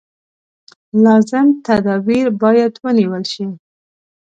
لازم تدابیر باید ونېول شي.